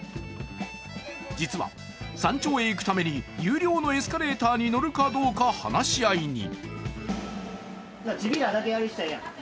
実は山頂へ行くために有料のエスカレータに乗るかどうか話し合いに。